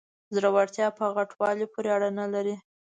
زړورتیا په غټوالي پورې اړه نلري.